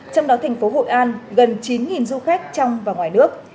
trong đó thành phố hội an gần chín du khách trong và ngoài nước